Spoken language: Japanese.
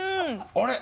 あれ？